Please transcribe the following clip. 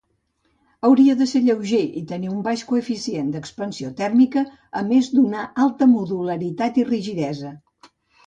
Hauria de ser lleuger i tenir un baix coeficient d"expansió tèrmica, a més d"una alta modularitat i rigidesa.